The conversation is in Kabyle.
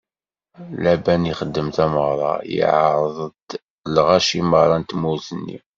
Laban ixdem tameɣra, iɛerḍ-d lɣaci meṛṛa n tmurt-nni.